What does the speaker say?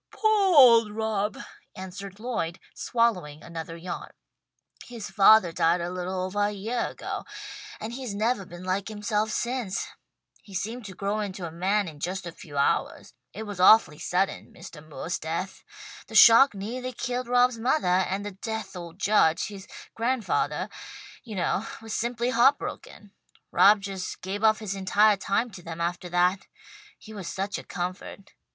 "Poah old Rob," answered Lloyd, swallowing another yawn. "His fathah died a little ovah a yeah ago, and he's nevah been like himself since. He seemed to grow into a man in just a few hours. It was awfully sudden Mistah Moore's death. The shock neahly killed Rob's mothah, and the deah old judge, his grandfathah, you know, was simply heartbroken. Rob just gave up his entire time to them aftah that. He was such a comfort.